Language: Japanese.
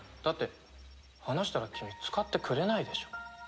だって話したら君使ってくれないでしょ。